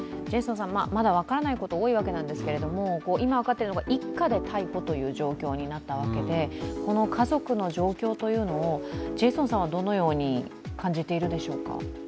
まだ分からないことは多いわけですが、今分かっていることは一家で逮捕ということになったわけでこの家族の状況をジェイソンさんはどのように感じているでしょうか？